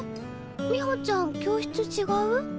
美穂ちゃん教室違う？